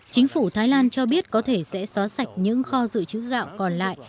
chính phủ thái lan cho biết có thể sẽ xóa sạch những kho dự trữ gạo còn lại